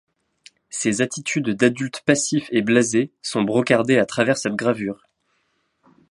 Ces attitudes d'adultes passifs et blasés sont brocardées à travers cette gravure.